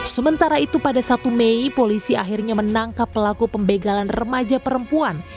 sementara itu pada satu mei polisi akhirnya menangkap pelaku pembegalan remaja perempuan